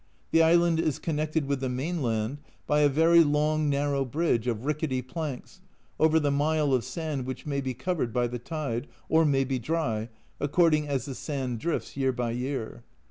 The island is connected with the mainland by a very long narrow bridge of rickety planks, over the mile of sand which may be covered by the tide, or may be dry, according as the sand drifts year by year.